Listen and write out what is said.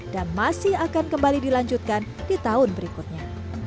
dan masih akan kembali dilanjutkan di tahun berikutnya